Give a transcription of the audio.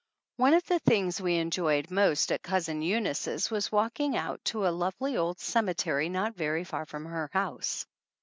One of the things we enjoyed most at Cousin Eunice's was walking out to a lovely old ceme tery not very faT from her house.